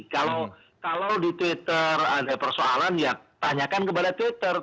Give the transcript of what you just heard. kalau di twitter ada persoalan ya tanyakan kepada twitter